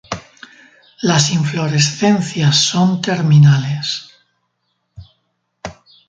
Las inflorescencias son terminales.